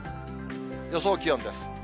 予想気温です。